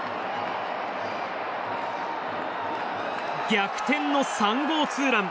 逆転の３号ツーラン。